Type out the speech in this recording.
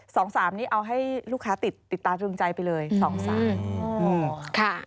สองสามนี่เอาให้ลูกค้าติดตาดรึงใจไปเลยสองสาม